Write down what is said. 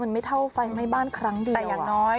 มันไม่เท่าไฟไหม้บ้านครั้งเดียวอย่างน้อย